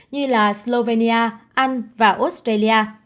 như là slovenia anh và australia